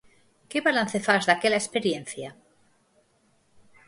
Que balance fas daquela experiencia?